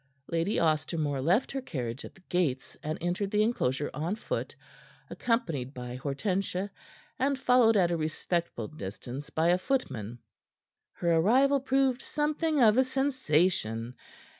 Lady Ostermore left her carriage at the gates, and entered the enclosure on foot, accompanied by Hortensia and followed at a respectful distance by a footman. Her arrival proved something of a sensation.